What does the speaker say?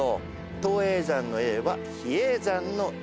東叡山の「叡」は比叡山の「叡」